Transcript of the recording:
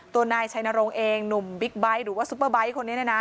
นายชัยนรงค์เองหนุ่มบิ๊กไบท์หรือว่าซุปเปอร์ไบท์คนนี้เนี่ยนะ